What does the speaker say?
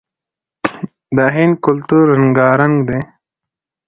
د هند کلتور رنګارنګ دی.